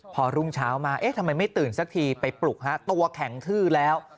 พอรุ่งเช้ามาเอ๊ะทำไมไม่ตื่นสักทีไปปลุกฮะตัวแข็งทื้อแล้ว